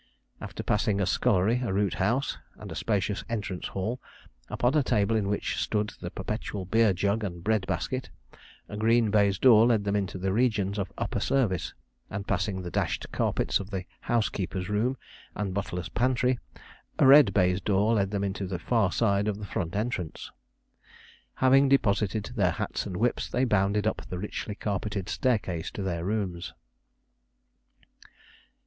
After passing a scullery, a root house, and a spacious entrance hall, upon a table in which stood the perpetual beer jug and bread basket, a green baize door let them into the regions of upper service, and passing the dashed carpets of the housekeeper's room and butler's pantry, a red baize door let them into the far side of the front entrance. Having deposited their hats and whips, they bounded up the richly carpeted staircase to their rooms.